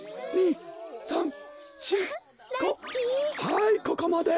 はいここまで！